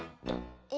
え？